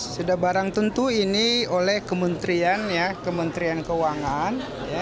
sudah barang tentu ini oleh kementerian ya kementerian keuangan